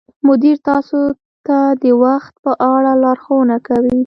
مدیر تاسو ته د وخت په اړه لارښوونه کوي.